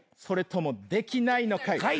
それともできないのかい。